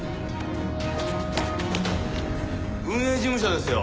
運営事務所ですよ。